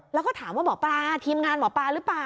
แล้วก็ถามว่าหมอปลาทีมงานหมอปลาหรือเปล่า